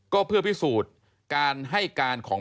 ก็เพื่อพิสูจน์การให้การของ